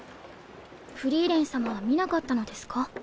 フリーレン様は見なかったのですか？